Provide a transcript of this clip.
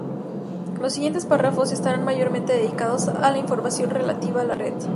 Los siguientes párrafos estarán mayormente dedicados a la información relativa a la red.